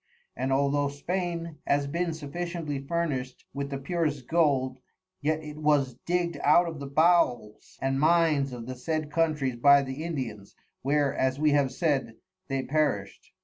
And although Spain has bin sufficiently furnished with the purest Gold, yet it was dig'd out of the Bowels and Mines of the said Countries by the Indians, where (as we have said) they perished.